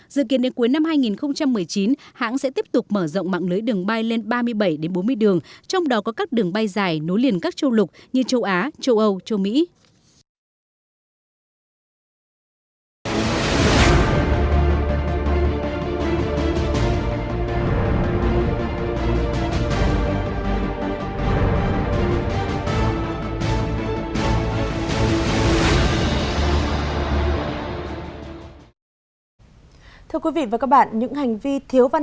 dự kiến đến cuối năm hai nghìn một mươi chín hãng sẽ tiếp tục mở rộng mạng lưới đường bay lên ba mươi bảy bốn mươi đường trong đó có các đường bay dài nối liền các châu lục như châu á châu âu châu mỹ